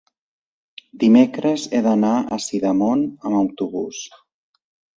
dimecres he d'anar a Sidamon amb autobús.